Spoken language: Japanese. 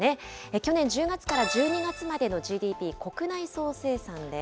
去年１０月から１２月までのＧＤＰ・国内総生産です。